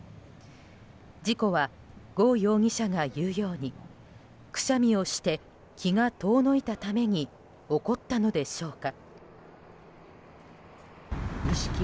事故は、ゴ容疑者が言うようにくしゃみをして気が遠のいたために起こったのでしょうか。